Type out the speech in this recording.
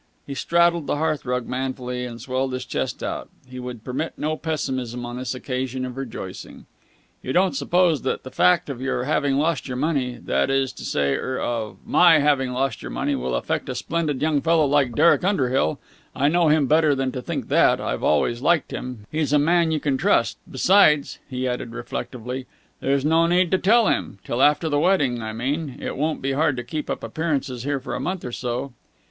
He straddled the hearth rug manfully, and swelled his chest out. He would permit no pessimism on this occasion of rejoicing. "You don't suppose that the fact of your having lost your money that is to say er of my having lost your money will affect a splendid young fellow like Derek Underhill? I know him better than to think that! I've always liked him. He's a man you can trust! Besides," he added reflectively, "there's no need to tell him! Till after the wedding, I mean. It won't be hard to keep up appearances here for a month or so."